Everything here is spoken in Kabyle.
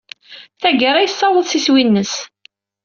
Tagara, yessaweḍ s iswi-nnes.